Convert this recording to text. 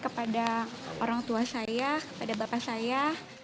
kepada orang tua saya kepada bapak saya